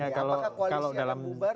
apakah koalisi akan bubar